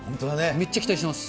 めっちゃ期待してます。